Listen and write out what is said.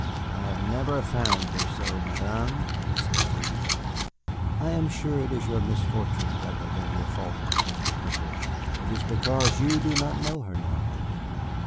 "I have never found her so, Madame," he said briefly. "I am sure it is your misfortune rather than your fault, Mr. Temple. It is because you do not know her now."